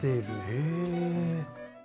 へえ。